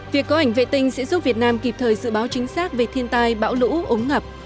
việc có ảnh vệ tinh sẽ giúp việt nam kịp thời dự báo chính xác về thiên tai bão lũ ống ngập